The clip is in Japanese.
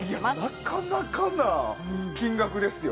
なかなかな金額ですよ。